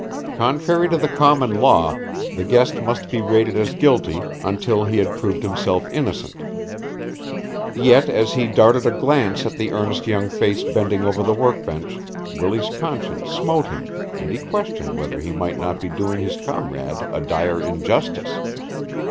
Contrary to the common law, the guest must be rated as guilty until he had proved himself innocent. Yet as he darted a glance at the earnest young face bending over the workbench Willie's conscience smote him and he questioned whether he might not be doing his comrade a dire injustice.